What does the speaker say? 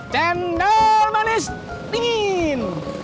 jendol manis dingin